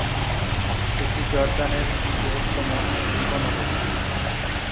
এটি জর্দানের বৃহত্তম শিল্প নগরী।